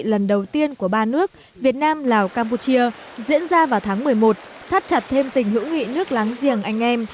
lần đầu tiên của ba nước việt nam lào campuchia diễn ra vào tháng một mươi một thắt chặt thêm tình hữu nghị nước láng giềng anh em